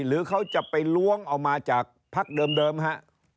หรือเขาจะไปล้วงเอามาจากพักเดิมฮะ